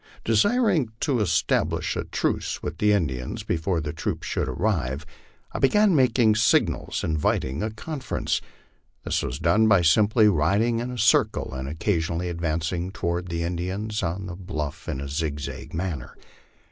Desiring to establish a truce with the Indians before the troops should arrive, I began making signals inviting a conference. This was 'done by simply riding in a circle, and occasionally advancing toward the Indians on the bluff in a zigzag manner.